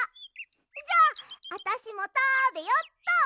じゃああたしもたべよっと。